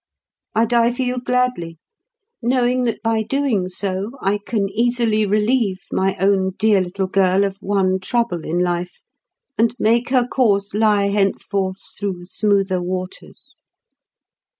I die for you gladly, knowing that by doing so I can easily relieve my own dear little girl of one trouble in life, and make her course lie henceforth through smoother waters.